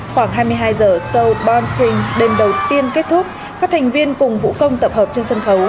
khoảng hai mươi hai giờ sau bom kring đêm đầu tiên kết thúc các thành viên cùng vũ công tập hợp trên sân khấu